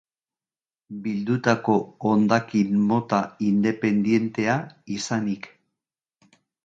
Bildutako hondakin mota independentea izanik.